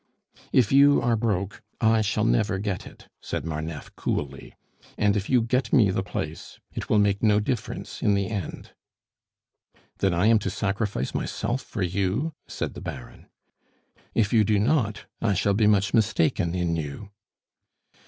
"If you are broke, I shall never get it," said Marneffe coolly. "And if you get me the place, it will make no difference in the end." "Then I am to sacrifice myself for you?" said the Baron. "If you do not, I shall be much mistaken in you."